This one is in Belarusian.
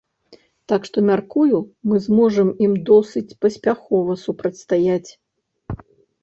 Так што, мяркую, мы зможам ім досыць паспяхова супрацьстаяць.